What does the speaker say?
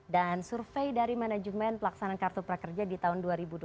dan survei dari manajemen pelaksanaan kartu prakerja di tahun dua ribu dua puluh